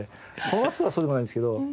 この話数はそうでもないんですけど。